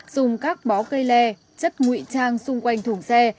dùng các bó cây le chất ngụy trang xung quanh thùng xe